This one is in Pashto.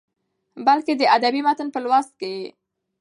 بلکې د ادبي متن په لوست کې يې